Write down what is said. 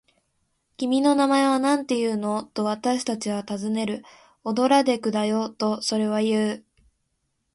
「君の名前はなんていうの？」と、私たちはたずねる。「オドラデクだよ」と、それはいう。